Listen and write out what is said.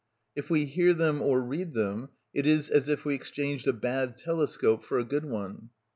If we hear them or read them, it is as if we exchanged a bad telescope for a good one.